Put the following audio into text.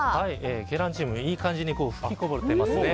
ケランチムいい感じに吹きこぼれていますね。